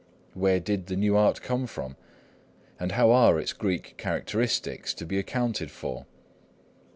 Where did the new art come from? And how are its Greek characteristics to be accounted for?